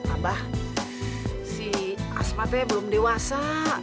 abah si asma teh belum dewasa